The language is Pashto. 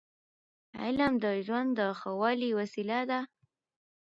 علم د ژوند د ښه والي وسیله ده.